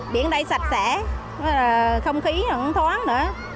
biển đây sạch sẽ không khí thói án nữa